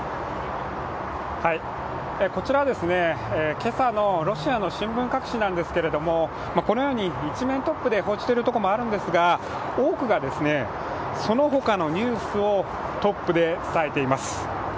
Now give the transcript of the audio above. こちら、今朝のロシアの新聞各紙なんですけれどもこのように１面トップで報じているところもあるんですが多くがその他のニュースをトップで伝えています。